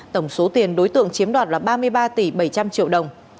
tổng số tiền đối tượng chiếm đoạt là ba mươi ba tỷ bảy trăm linh triệu đồng